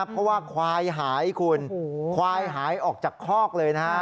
เพราะว่าควายหายคุณควายหายออกจากคอกเลยนะฮะ